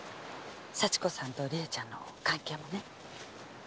幸子さんと理恵ちゃんの関係もね。